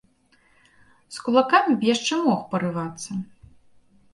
З кулакамі б яшчэ мог парывацца.